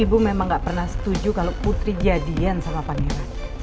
ibu memang gak pernah setuju kalau putri jadian sama pangeran